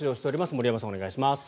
森山さん、お願いします。